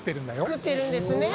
つくってるんですね！